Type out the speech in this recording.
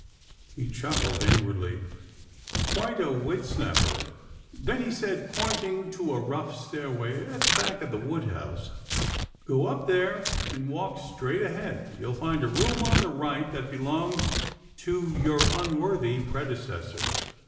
" He chuckled inwardly, " Quite a witsnapper," then he said, pointing to a rough stairway at the back of the wood house, " Go up there, and walk straight ahead. You'll find a room on the right that belonged to your unworthy predecessor.